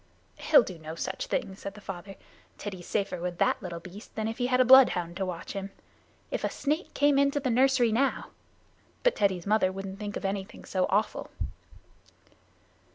"He'll do no such thing," said the father. "Teddy's safer with that little beast than if he had a bloodhound to watch him. If a snake came into the nursery now " But Teddy's mother wouldn't think of anything so awful.